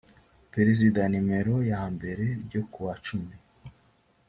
perezida nimero yambere ryo kuwa cumi